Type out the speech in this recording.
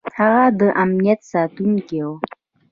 هغه د امنیت ساتونکی و.